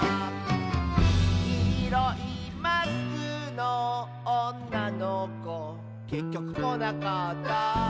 「きいろいマスクのおんなのこ」「けっきょくこなかった」